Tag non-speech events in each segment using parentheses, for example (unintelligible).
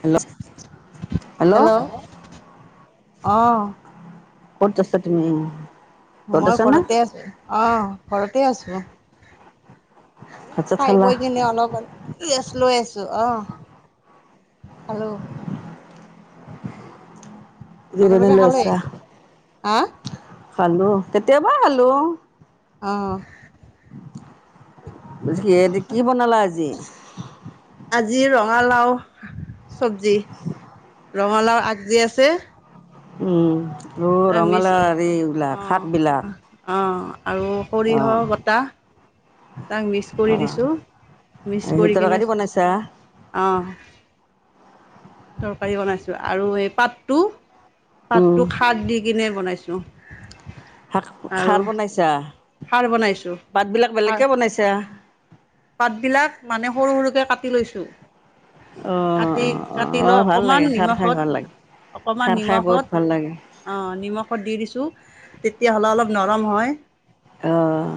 Hello hello অহ। কত আছা তুমি। ঘৰত মই আছা না ঘৰতে আছো অ ঘৰতে, ঘৰতে আছো। এ ভাত চাত খাই খালা বৈ কিনে অলপ ৰেচ লৈ আছো। অ খালো। জিৰণি আপোনালোকে খালে লৈছা। হা। খালো কেতিয়াবাই খালো অ অহ। কিহেদি কি বনালা আজি। আজি ৰঙালাও চব্জি ৰঙালাও আগজি আছে উম অ তাৰ ৰঙালাও মিক্স হেৰিবিলাক অঁ শাকবিলাক অঁ আৰু অ সৰিয়হ বটাহ তাক মিক্স অ কৰি দিছোঁ মিক্স সেই কৰি কিনে তৰকাৰী বনাইছা অঁ তৰকাৰী বনাইছোঁ আৰু এই পাতটো উম তাততো খাৰ দি কিনে বনাইছো পছো শাক খাৰ বনাইছা খাৰ বনাইছোঁ পাত বিলাক খাৰ বেলেগে বনাইছা। পাতবিলাক মানে সৰু সৰুকে কাটি লৈছো অ কাটি অ কাটি অ লৈ ভাল লাগে অকমান খাৰ খাই ভাল লাগে নিমখত অকমান খাৰ খাই বহুত ভাল নিমখত লাগে আহ নিমখত দি দিছো। তেতিয়াহ'লে অলপ নৰম হয় আহ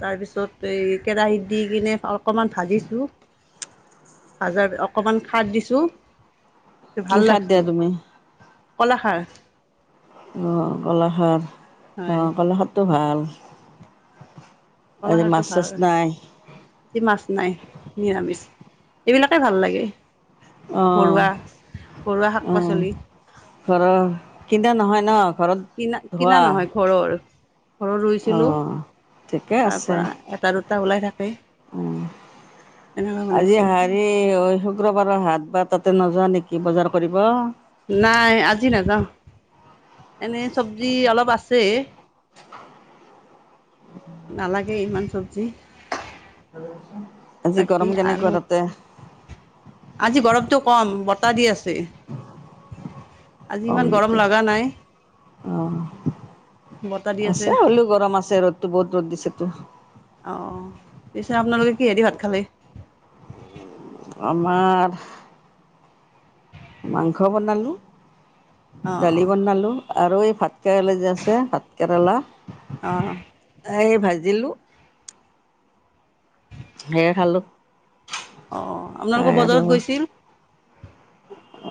তাৰপিছত এই কেৰাহীত দি কিনে অকমান ভাজিছো, ভজাৰ অকমান খাৰ দিছো। কি খাৰ দিয়া তুমি? কলাখাৰ। অ' কলাখাৰ। হয় অ' কলাখাৰ টো ভাল। আজি কলাখাৰ তো মাছ চাছ ভাল, নাই আজি মাছ নাই। নিৰামিষ, এইবিলাকে ভাল লাগে। আহ ঘৰুৱা ঘৰুৱা শাক আহ, পাচলি ঘৰৰ কিন্তনা নহয় ন (inaudible) কিনা - ধোৱা কিনা নহয়, ঘৰৰ ঘৰত ৰুইছিলোঁ অঁ ঠিকে তাৰ আছে পৰা এটা- দুটা ওলাই থাকে এনেকুৱৈ আজি বনাইছোঁ। হেৰি শুক্ৰবাৰৰ হাত বা তাতে নোযোৱা নেকি বজাৰ কৰিব। নাই আজি নাযাওঁ, এনেই চব্জি অলপ আছে। নালাগে ইমান। চবজি, আজি গৰম আৰু কেনেকুৱা তাতে? আজি গৰমতটো কম ব বতাহ দি আছে। আজি কম ইমান গৰম নেকি লগা নাই, অঁ বতাহ দি আছে, হ'লেও গৰম আছে ৰ'দটো বহুত ৰ'দ দিছেতো আহ পিছে আপোনালোকে কিহেদি ভাত খালে? আমাৰ মাংস বনালোঁ। অঁ দালি বনালো। আৰু এই ভাতকেৰেলা যে আছে ভাতকেৰেলা? অঁ আহ ভাজিলো। ধেৰ খালোঁ। অ আপোনালোক বজাৰত গৈছিল।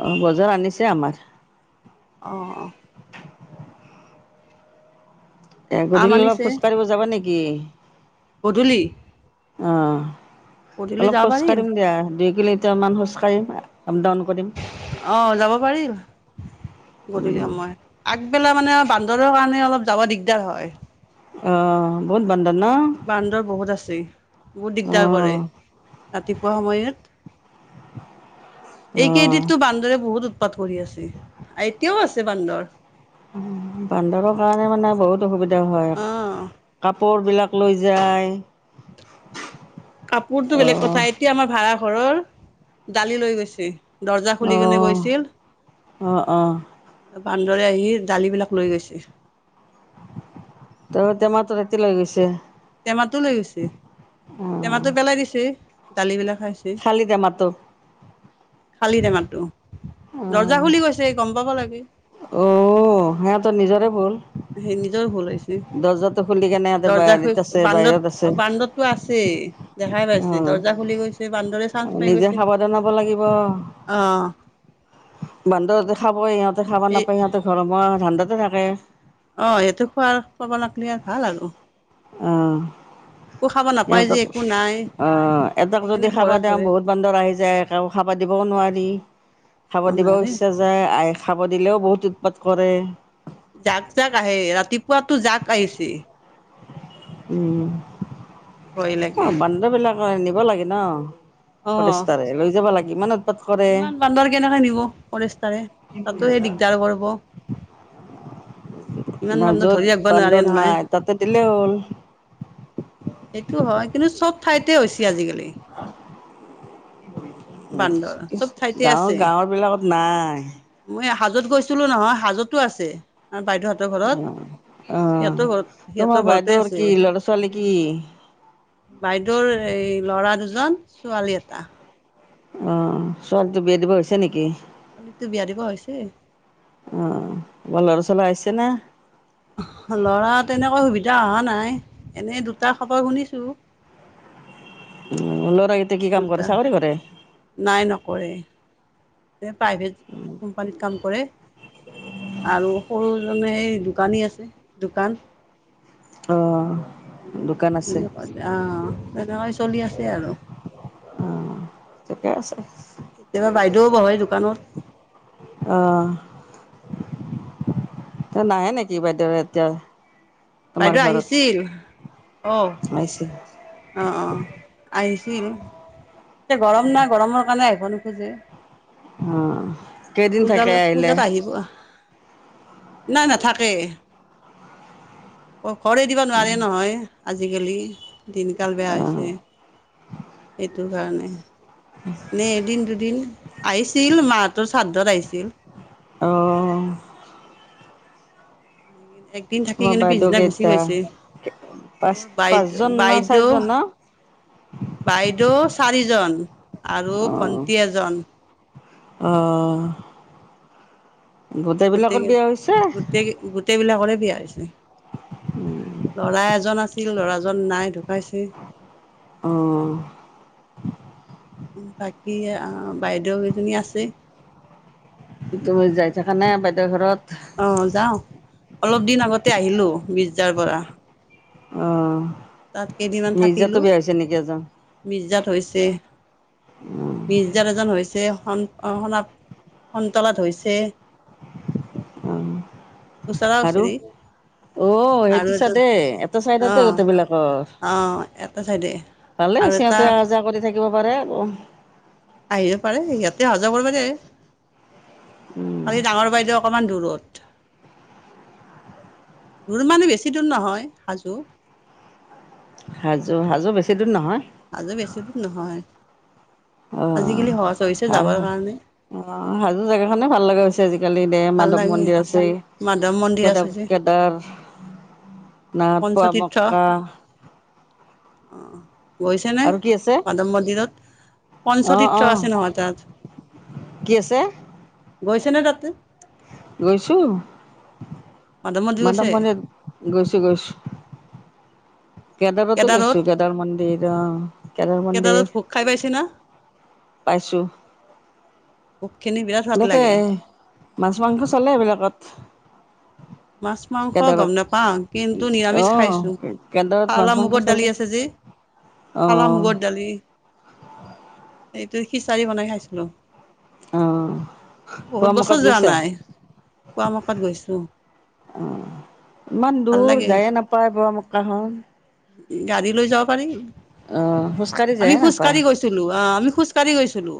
অ বজাৰ আনিছে আমাৰ। অ অ এ আম গধূলি অলপ আনিছে খোজ কঢ়িব যাব নেকি। গে, গধূলি, আহ, গধূলি অলপ যাব পাৰিল খোজকাঢ়িম দিয়া দুই মিনিট, কেইটামান খোজ কাঢ়িম, অ যাব পাৰিম গধূলি সমই আগ আহি পেলাই মানে বান্দৰৰ কাৰণে অলপ যাব দিগদাৰ হয়। অ বহুত বান্দৰ ন বান্দৰ বহুত আছে বহুত দিগদাৰ কৰে। অঁ ৰাতিপুৱা সময়ত, অঁ এইকেইদিনতো বান্দৰে বহুত উৎ উপাত কৰি আছে এতিয়াও আছে বান্দৰ। বান্দৰৰ কাৰণে মানে বহুত সুবিধা হয় অ কাপোৰ কোৰ বিলাক লৈ যায় কাপোৰতটো বেলেগ অঁ কথা, এতিয়া আমাৰ ভাড়া ঘৰৰ দালি লৈ গৈছে। দৰ্জা খুলি কিনে অঁ গৈছিল অহঁ অহঁ। বান্দৰে আহি দালিবিলাক লৈ গৈছে। তোৰ তেমাহটো ৰাতি লৈ গৈছে। টেমাটো লৈ গৈছে, অঁ টেমাটো পেলাই দিছে দালিবিলাক খাইছে খালী টেমাটো খালি টেমাটো। দৰ্জা খুলি লৈ গৈছে। সি গম পাব লাগে উম (inaudible) অ সিহঁতৰ নিজৰে ভুল সেই নিজৰ ভুল হৈছে দৰ্জাটো খুলি কেনে ইহঁতে দৰ্জা হেৰিত হৈ আছে বাহিৰত আছে বান্দৰ বান্দৰটো আছেই দেখাই অ পাইছে দৰ্জা খুলি গৈছে বান্দৰে চান্স পাই নিজে গৈছে সাৱধান হব লাগিব অ বান্দৰ দেখাব ইহঁত খাব এই নাপায় সিহঁতে ঘৰমুৱা হ'ল ধাণ্ডাতো থাকে। অ সেইটো খোৱাৰ খাব লাগলি আৰু ভাল আৰু। অহ। একো খাব নাপায় যে সিহঁতক একো নাই অহ এহতক যদি সেইকাৰণে খাবা ঘৰত দেওঁ ঘৰে বহুত বান্দৰ আহি যায় খাবা দিবও নোৱাৰি খাব, অ দিবও নহলে ইচ্ছা যায় আই। খাব দিলেও বহুত উৎপাত কৰে। জাক, জাক আহে ৰাতিপুৱাতো জাক আহিছি। উম। ভয় লাগে অ বান্দৰ বিলাক। নিব লাগে নহ। অহ কৰে ইমান বান্দৰ কেনেকৈ নিব ফৰেছষ্টাৰে তাতো সেই দিগদাৰ কৰিব। ইমান ন বান্দৰ য'ত ধৰি ৰাখিব বান্দৰ নাই তাতে দিলে হ'ল। এইটো হয়, কিন্তু চব ঠাইতে হৈছে আজিকালি। বান্দৰ চব ঠাইতে গাঁৱৰ, আছে গাঁৱৰ বিলাকত। নাই। মই হাজোত গৈছিলো নহয় হাজোতো আছে। আমাৰ বাইদেউহঁতৰ ঘৰত অ, অহ সিহঁতৰ ঘৰত সিহঁতৰ তোমাৰ ঘৰতে বাইদেউৰ আছে কি লৰা ছোৱালী কি? বাইদেউৰ এই ল'ৰা দুজন ছোৱালী এটা। অ ছোৱালীটো বিয়া দিব হৈছে নেকি? ছোৱালীটো বিয়া দিব হৈছে। কবা (unintelligible) লৰা তেনেকৈ সুবিধা অহা নাই। এনেই দুটা খবৰ শুনিছো। উম লৰা। দুটাহ নাই নকৰে। যে প্ৰাইভেট কোম্পানীত কাম কৰে। আৰু সৰু জনে এই দোকানী আছে দোকান। অহ। তেনেকৈ অহ তেনেকৈ চলি আছে আৰু। ঠিকে আছে। কেতিয়াবা বাইদেউ বহে দোকা অহ। এ নাহে নেকি বাইদেউ এতিয়া। তোমাৰ বাইদেউ ঘৰত আহিছিল অ, আহিছে অ, অ আহি (unintelligible) এতিয়া গৰম নাই গৰমৰ কাৰণে আহিব নোখোজে। অহ। কেইদিন থাকে পূজালৈ আহিলে? পূজাত আহিব নাই নাথাকে। অ ঘৰে এদিবা নোৱাৰে নহয়। আজিকালি দিনকাল বেয়া হৈছে। সেই সেইটো কাৰণে। নে এদিন দুদিন, আহিছিল মা হতৰ স্বা ৰ্ধত আহিছিল। অঁ। এ দিন থাকি তোমাৰ কিনে বাইদেউ পিছদিনা গুচি কেইটা? গৈছে। পাঁচ মোৰ বাইদেউ পাঁচজন না বাইদেউ, চাৰিজন ন? বাইদেউ চাৰিজন আৰু ভন্টি এজন। আহ। গোটেই কেইজন। গোটেই গোটেইবলাকৰে বিয়া হৈছে। উম্। লৰা এজন আছ ছিল। ল'ৰাজন নাই, ঢুকাইছে। অঁ। বাকী, আহ বাইদেউ এজনী আছে। তুমি যাই থাকা নে বাইদেউৰ ঘৰত? অ যাওঁ বিজদাৰ পৰা। আহ। তাত কেইদিনমান থাকিলো এজন? মিৰ্জাদ হৈছে, মিৰ্জাদ এজন হৈছে। (unintelligible) হৈছে উম। ওচৰা আৰু ওচৰি অ' আৰু সেইটো এজন চাইডেই এটা অ চাইডতে গোটেইবিলাকৰ। অ এটা চাইডে ভালে আৰু হৈছে এটা সিহতে অহা যাহ কৰি থাকিব পাৰে। অঁ। আহিব পাৰে সিহঁতে অহা যোৱা কৰিব যায়। উম, কালি ডাঙৰ বাইদেউ অকমান দূৰত। দূৰ মানো বেছি দূৰ নহয় সিমানো। হাজো হাজো বেছি দিন নহয়। আজি বেছিত নহয় আজিকালি সহজ হৈছে অঁ যাবৰ হা কাৰণে অঁ হাজো জেগাখনে ভাল লগা। চে কালি দে ভাল মাধৱ লাগে মন্দিৰ আছে মাধৱ মন্দিৰ কেদ আছে যে কেদাৰ, নাথ পুৱাম্কা আহ- গৈছেনে মাধৱ মন্দিৰত? অঁ পঞ্চতীৰ্থ অঁ, আছে নহয় তাত কি আছে? গৈছে নে তাতে? গৈছো। মন্দিৰ গৈছে? মাধৱ মন্দিৰত গৈছো গৈছো। কেদাৰতো কেদাৰত গৈছো, কেদাৰ মন্দিৰ আহ কেদাৰ কেদাৰত মন্দিৰ ভোগ খাই পাইছে না পাইছো। ভোগখিনি বিৰাট সোৱাদ তাতে লাগে। মাছ মাংস চলে এইবিলাকত। মাছ মাংস গম কেদাৰত নাপাওঁ কিন্তু নিৰামিষ অ', খাইছো কেদাৰত মাছ ফালা মাংস মুগৰ দালি চলে আছে যি অ', এইটো খিচাৰি বনাই খাইছিলো। অ', বহুত পোৱামক্কাত বছৰ যোৱা গৈছা নাই পুৱা মকাত গৈছো। ইমান দূৰ যায়ে নাপায় বোৱা খন। গাড়ী লৈ যাব পাৰি। খোজকাঢ়ি আমি যায়ে খোজ নাপায় কাঢ়ি গৈছিলো আহ আমি খোজ কাঢ়ি গৈছিলো,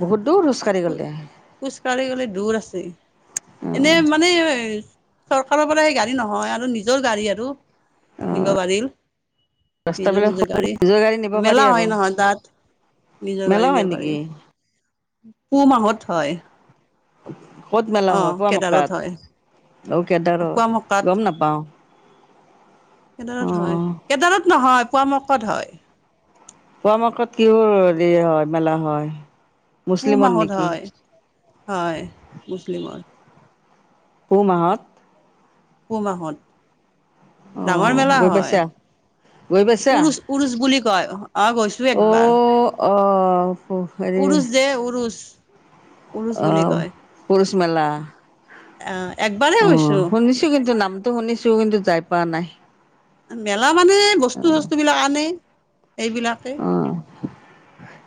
বহুত দূৰ খোজকাঢ়ি গ'লে খোজ কাঢ়ি গলে দূৰ আছে এনে মানে চৰকাৰৰ পৰা এই গাড়ী নহয় আৰু নিজৰ গাড়ী আৰু। নিব পাৰিল নিজৰ ৰাস্তাবিলাক নিজৰ সৰু নিজৰ নিব গাড়ী পাৰি মেলা আৰু হয় নহয় তাত নিজৰ মেলা গাড়ী হয় নিব পাৰি। নেকি পুহ মাহত হয়। (unintelligible) হয় অ' পোৱামক্কাত কেদাৰত হয়, অ কেদাৰত কুৱা গম মকাত নাপাওঁ অ কেদাৰত হয় কেদাৰত নহয়। কোৱা মকদ হয়। পোৱা মক্কাত কিহোৰ হেৰি হয় মেলা হয়? (inaudible) পুহ মুছলিমৰ মাহত নেকি হয়, হয় মুছলিমৰ। পুহ মাহত। পুহ মাহত। অ ডাঙৰ মেলা গৈ হয়, পাইছা গৈ পাইছা উৰুচ - উৰুচ বুলি (unintelligible) অঁ, গৈছো অ একবাৰ। অ'। হেৰি উৰুষ যে উৰুষ। উৰুষ অ বুলি কয়। পুৰুষ মেলা। অ'। অ' শুনিছো কিন্তু নামটো শুনিছো। কিন্তু যাই পোৱা নাই। মেলা মানে বস্তু চস্তু বিলাক আনে। এইবিলাকে অ।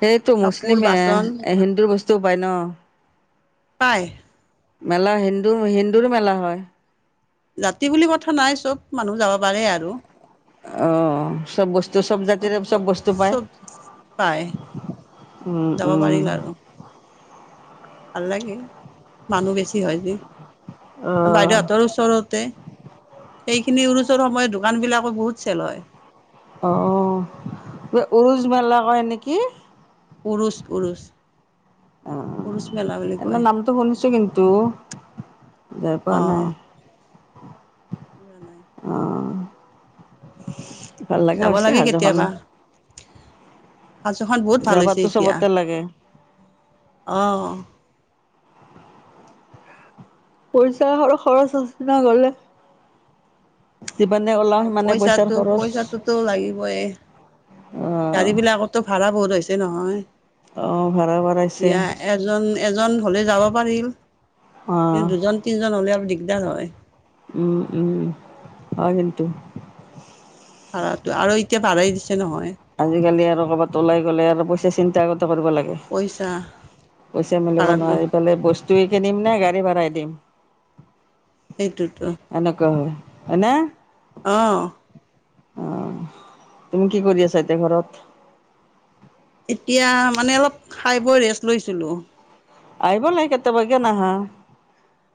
সেইটো কাপোৰ মুছলিমে বাচন হিন্দুৰ বস্তু তোপাই ন? পায়। মেলা হিন্দু হিন্দুৰ মেলা হয়। জাতি বুলি কথা নাই চব মানুহ যাব পাৰে আৰু। অ চব বস্তু। অ চব জাতিৰে চব বস্তু পায় পায় উম যাব উম। পাৰিল আৰু ভাল লাগে। মানুহ বেছি হয় যে অহ বাইদেউহঁতৰ ওচৰতে। সেইখিনি উৰুচৰ সময়ত দোকান বিলাকো বহুত চেল হয়। অ', অ উৰুজ মেলা কয় নেকি? পুৰুষ পুৰুষ এবাৰ নামটো শুনিছো কিন্তু যায় পোৱা অ নাই নাই অ। ভাল লগা যাব হৈছে লাগে হাজো কেতিয়াবা খনত। সাজোখন বহুত ভাল হৈছে যাবাতো এতিয়া চবতে লাগে। অ পইচা খৰচ আচেনা গ'লে। যিমানে ওলাও অ সিমানে পইচা পইচাৰ খৰচ পইচাটোতো লাগিবই গাড়ী অহ বিলাকো ভাড়া বহুত হৈছে। এই নহয় অহ ভাড়া বাঢ়াইছে এতিয়া এজন এজন হ'লে যাব। পৰিল কিন্ত অহ দুজন তিনিজন হ'লে আৰু। দিগদাৰ হয়। উম উম অ হেইতো। অ আৰু এতিয়া। তাৰে দিছে। নহয় আজিকালি আৰু কৰবাত ওলাই গ'লে আৰু পইচা তিনটা আগত কৰিব লাগে পইচা পইচা মিলিব ভাড়াটো নোৱাৰি পেলায় পইচা। তোকেই দিম নে গাড়ী ভাড়াই দিম। সেইটোতো এনেকোৱা হয়। হয়নে। অ। অ। তুমি কি কৰি আছা এতিয়া ঘৰত? এতিয়া মানে অলপ খাই বৈ ৰেষ্ট লৈছিলো। আহিব লাগে কেতিয়াবা কিয় নাহা।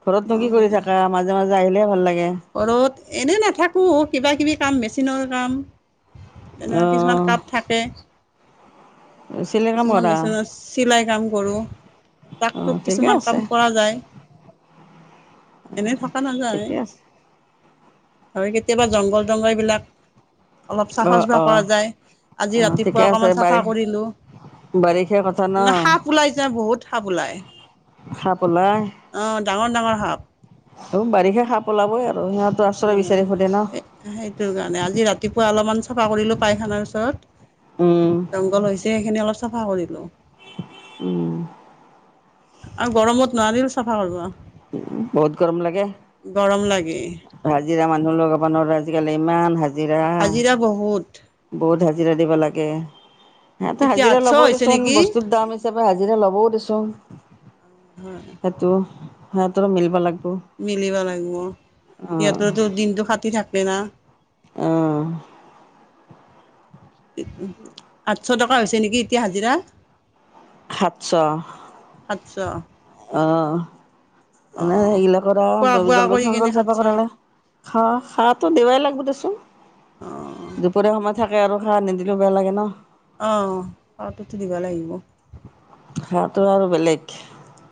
ঘৰত'নো অ কি কৰি থাকা? মাজে মাজে জে আহিলে ভাল লাগে। ঘৰত, এনেই নাথাকোঁ কিবা কিবি কাম মেচিনৰ কাম, তেনেকুৱা অ কিছুমান কাম থাকে। চিলাই কাম কিছুমান কৰা মেচিনত চিলাই কাম কৰোঁ অ তাকটোক ঠিকে কিছুমান কাম আছে কৰা যায় এনেই থকা নাযায়। ঠিকে আছে আৰু কেতিয়াবা জংঘল জংঘলবিলাক। অলপ অ চাফা চুফা অ কৰা যায় অ আজি ৰাতিপুৱা ঠিকে আছে অকমান চাফা বাৰি কৰিলো। বাৰিষা কথা ন মানে সাপ ওলাই যে বহুত সাপ ওলাই সাপ ওলাই আহ ডাঙৰ ডাঙৰ সাপ, ত বাৰিষে সাপ ওলাবই আৰু সিহঁতো অ আশ্ৰয় বিচাৰি ফুৰে ন সেইটোৰ কাৰণে আজি ৰাতিপুৱা অলপমান। চাফা কৰিলো পাইখানাৰ উম পিছত। জংঘল হৈছে সেইখিনি অলপ, চাফা কৰিলো। উম, আৰু গৰমত নোৱাৰিলো চাফা কৰিব। উ বহুত গৰম লাগে গৰম লাগে হাজিৰা মানুহ লগাব নোৱাৰে। আজিকালি ইমান হাজ, হাজিৰা হাজিৰা বহুত বহুত হাজিৰা দিব লাগে গে সহঁতে এতিয়া হাজিৰা আঠশ লবও হৈছে দিচোন নেকি বস্তুৰ দাম হিচাপে হাজিৰা ল'বও দিচোন সেইটো হে তোৰৰা মিলবা লাগ মিলিব লাগিব সিহঁততো দিনতটো ফাটি থাকে না আহ উ আছ ছ টকা হৈছে নেকি এতিয়া হাজিৰা হাত চ সাতশ আহ অ এনে সেইগিলাকৰ খোৱা বোৱা জংঘল কৰি চংঘল কিনে যাব সাতশ কাৰণে খা খাৰো দেৱাই লাগব দেচোন অ অ দুপৰীয়া সময় থাকে আৰু সাৰ নিদ বেয়া লাগে ন আহ সটো উঠ দিব লাগিব হাঁহটোআৰু বেলেগ